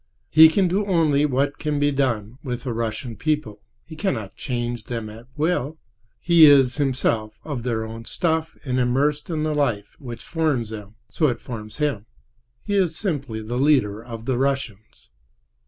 He can do only what can be done with the Russian people. He cannot change them at will. He is himself of their own stuff, and immersed in the life which forms them, as it forms him. He is simply the leader of the Russians.